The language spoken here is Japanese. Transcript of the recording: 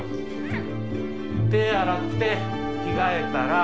手洗って着替えたら。